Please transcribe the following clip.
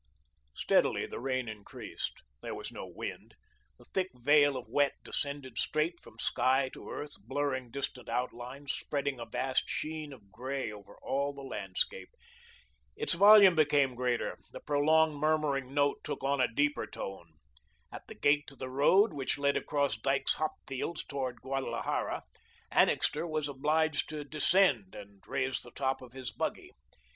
Steadily the rain increased. There was no wind. The thick veil of wet descended straight from sky to earth, blurring distant outlines, spreading a vast sheen of grey over all the landscape. Its volume became greater, the prolonged murmuring note took on a deeper tone. At the gate to the road which led across Dyke's hop fields toward Guadalajara, Annixter was obliged to descend and raise the top of the buggy.